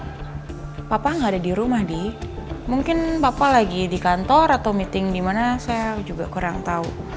hai bapak nggak ada di rumah di mungkin papa lagi di kantor atau meeting dimana saya juga kurang tahu